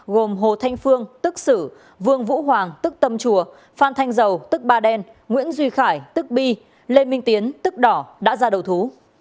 gồm hồ thanh phương tức sử vương vũ hoàng tức tâm chùa phan thanh dầu tức ba đen nguyễn duy khải tức bi lê minh tiến tức đỏ đã ra đầu thú